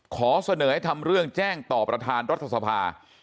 ขอเสนอให้ทำเรื่องแจ้งต่อประธานรัฐสภา